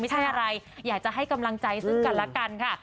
ไม่ใช่อะไรอยากจะให้กำลังใจซึ่งกันละกันค่ะ